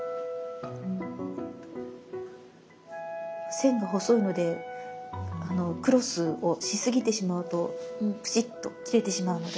線が細いのでクロスをしすぎてしまうとぷちっと切れてしまうので。